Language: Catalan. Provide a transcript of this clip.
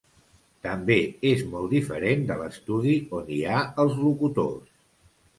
També és molt diferent de l'estudi on hi ha els locutors.